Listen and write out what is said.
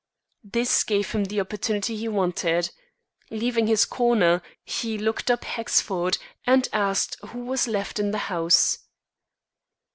This gave him the opportunity he wanted. Leaving his corner, he looked up Hexford, and asked who was left in the house.